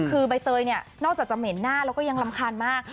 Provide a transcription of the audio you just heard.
คือใบเตยเนี่ยนอกจากจะเหม็นหน้าแล้วก็ยังรำคาญมาก